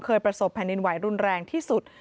ประสบแผ่นดินไหวรุนแรงที่สุด